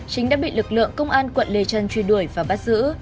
chính đã bị lực lượng công an quận lê trân truy đuổi và bắt giữ